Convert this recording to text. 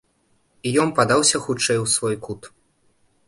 І ён падаўся хутчэй у свой кут.